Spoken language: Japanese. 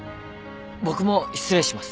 僕も失礼します。